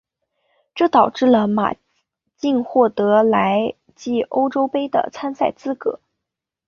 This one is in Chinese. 这导致了马竞获得来季欧洲杯的参赛资格。